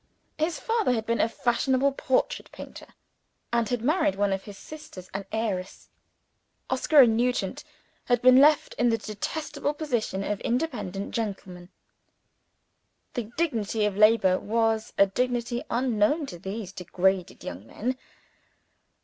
His father had been a fashionable portrait painter, and had married one of his sitters an heiress. Oscar and Nugent had been left in the detestable position of independent gentlemen. The dignity of labor was a dignity unknown to these degraded young men.